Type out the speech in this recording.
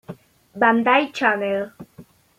Bandai Channel